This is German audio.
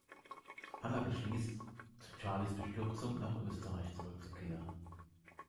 Anna beschließt zu Charleys Bestürzung, nach Österreich zurückzukehren.